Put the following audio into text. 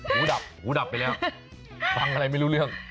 หูดับหูดับไปแล้วฟังอะไรไม่รู้เรื่อง